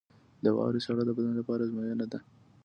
• د واورې ساړه د بدن لپاره ازموینه ده.